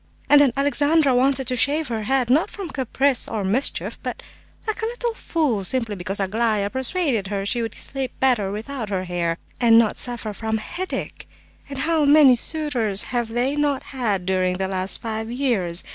And then Alexandra wanted to shave her head, not from caprice or mischief, but, like a little fool, simply because Aglaya persuaded her she would sleep better without her hair, and not suffer from headache! And how many suitors have they not had during the last five years!